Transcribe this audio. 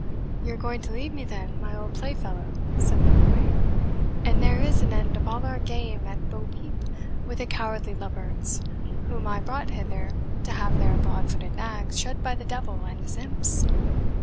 "You are going to leave me, then, my old playfellow," said the boy; "and there is an end of all our game at bo peep with the cowardly lubbards whom I brought hither to have their broad footed nags shed by the devil and his imps?"